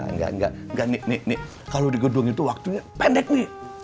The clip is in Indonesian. nggak nggak nggak nih nih nih kalau di gedung itu waktunya pendek nih